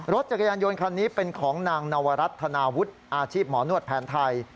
รถจักรยานยนต์คันนี้เป็นของนางนวรัฐธนาวุฒิอาชีพหมอนวดแผนไทย